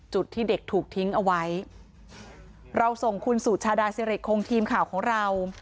ที่เด็กถูกทิ้งเอาไว้เราส่งคุณสุชาดาสิริคงทีมข่าวของเรา